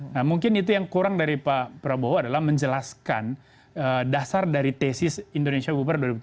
nah mungkin itu yang kurang dari pak prabowo adalah menjelaskan dasar dari tesis indonesia bubar dua ribu tujuh belas